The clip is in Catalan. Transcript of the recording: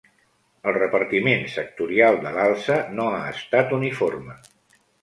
El repartiment sectorial de l’alça no ha estat uniforme.